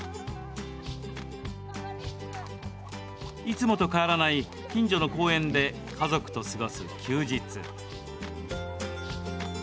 いつもと変わらない近所の公園で家族と過ごす休日。